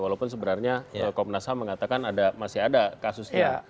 walaupun sebenarnya komnas ham mengatakan masih ada kasusnya